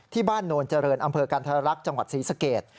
ที่บ้านโนร์เจริญอำเภอกันธรรรคจังหวัดศรีสเกษ